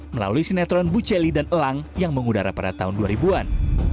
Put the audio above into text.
melalui sinetron buceli dan elang yang mengudara pada tahun dua ribu an